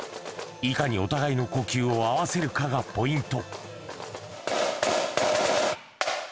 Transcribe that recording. いかにお互いの呼吸を合わせるかがポイント。